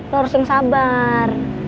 terus yang sabar